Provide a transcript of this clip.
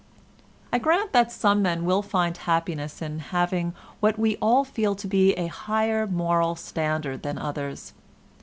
I grant that some men will find happiness in having what we all feel to be a higher moral standard than others.